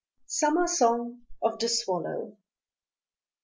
SUMMER SONG OF THE SWALLOW.